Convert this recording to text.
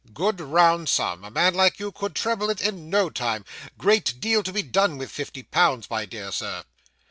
'Good round sum a man like you could treble it in no time great deal to be done with fifty pounds, my dear Sir.